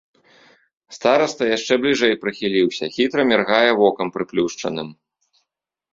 Стараста яшчэ бліжэй прыхіліўся, хітра міргае вокам прыплюшчаным.